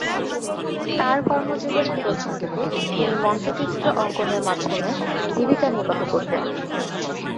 তাঁর কর্মজীবনের প্রথম দিকে তিনি মঞ্চচিত্র অঙ্কনের মাধ্যমে জীবিকা নির্বাহ করতেন।